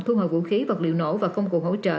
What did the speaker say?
thu hồi vũ khí vật liệu nổ và công cụ hỗ trợ